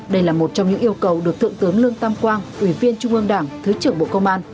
đây là một trong những yêu cầu được thượng tướng lương tam quang ủy viên trung ương đảng thứ trưởng bộ công an